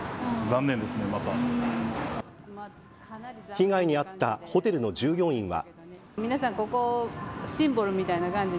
被害に遭ったホテルの従業員は。